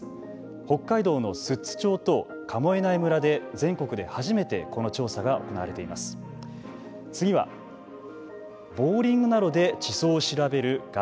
北海道の寿都町と神恵内村で全国で初めてこの調査が行われています。